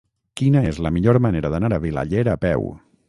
Quina és la millor manera d'anar a Vilaller a peu?